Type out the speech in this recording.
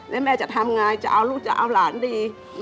แล้วแม่จะทำไงจะเอาลูกจะเอาหลานดี